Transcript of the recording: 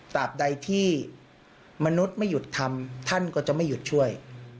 ตามใดที่มนุษย์ไม่หยุดทำท่านก็จะไม่หยุดช่วย